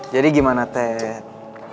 jadi gimana ted